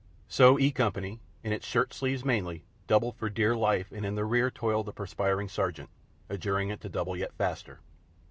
So E Company, in its shirt sleeves mainly, doubled for the dear life, and in the rear toiled the perspiring Sergeant, adjuring it to double yet faster.